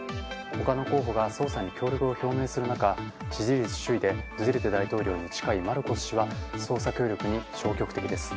他の候補が捜査に協力を表明する中支持率首位でドゥテルテ大統領に近いマルコス氏は捜査協力に消極的です。